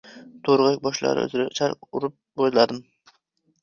To‘rg‘ay boshlari uzra charx urib bo‘zladn.